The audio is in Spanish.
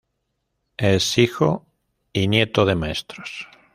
Es hijo y nieto de maestros.